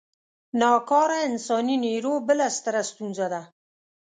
نا کاره انساني نیرو بله ستره ستونزه ده.